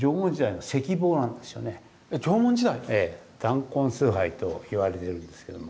男根崇拝といわれてるんですけども。